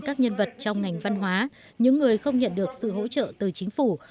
các nhân vật trong ngành văn hóa những người không nhận được sự hỗ trợ từ chính phủ